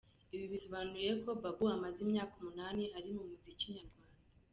Ibi bisobanuye ko Babou amaze imyaka umunani ari muri muzika nyarwanda.